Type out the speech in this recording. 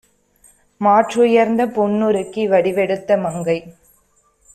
மாற்றுயர்ந்த பொன்னுருக்கி வடிவெடுத்த மங்கை